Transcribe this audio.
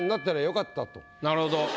なるほど。